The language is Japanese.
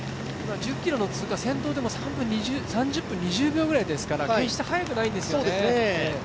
今、１０ｋｍの通過、先頭でも３分２０秒ぐらいですから決して早くないんですよね。